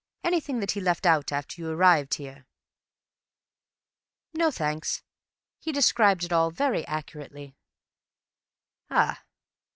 —anything that he left out after you arrived here?" "No, thanks. He described it all very accurately." "Ah!